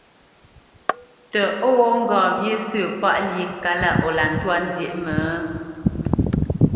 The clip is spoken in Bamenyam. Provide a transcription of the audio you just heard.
Tə ó ghó ŋgá wyé sə̂ páʼ lyé kalá o lǎ ntwá nzyěʼ mə?